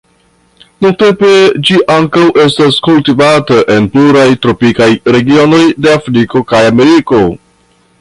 Nuntempe ĝi ankaŭ estas kultivata en pluraj tropikaj regionoj de Afriko kaj Ameriko.